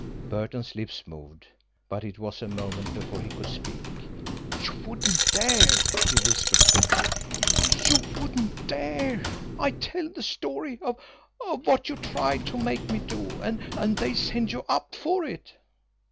Burton's lips moved, but it was a moment before he could speak. "You wouldn't dare!" he whispered thickly. "You wouldn't dare! I'd tell the story of of what you tried to make me do, and they'd send you up for it."